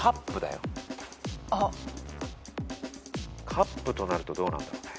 カップとなるとどうなんだろうね。